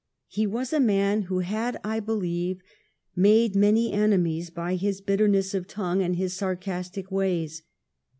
He was a man who had, I believe, made many enemies by his bitterness of tongue and his sarcastic ways.